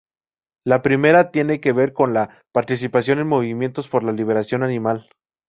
La primera tiene que ver con la participación en movimientos por la liberación animal.